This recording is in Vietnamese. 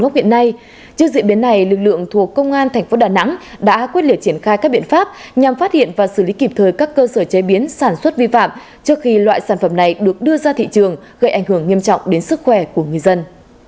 trước diễn biến này lực lượng thuộc công an thành phố đà nẵng đã quyết liệt triển khai các biện pháp nhằm phát hiện và xử lý kịp thời các cơ sở chế biến sản xuất vi phạm trước khi loại sản phẩm này được đưa ra thị trường gây ảnh hưởng nghiêm trọng đến sức khỏe của người dân